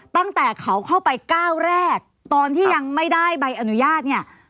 ตั้งแต่เขาเข้าไปก้าวแรกตอนที่ยังไม่ได้ใบอนุญาตเนี่ย